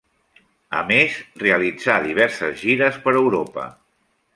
A més realitzà diverses gires per Europa.